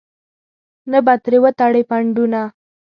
نه به ترې وتړې پنډونه.